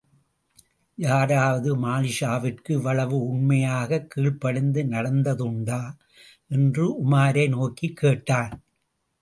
யாராவது மாலிக்ஷாவிற்கு இவ்வளவு உண்மையாகக் கீழ்ப்படிந்து நடந்ததுண்டா? என்று உமாரை நோக்கிக் கேட்டான்.